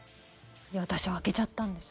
いや、私開けちゃったんです。